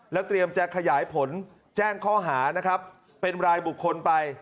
เตรียมจะขยายผลแจ้งข้อหานะครับเป็นรายบุคคลไป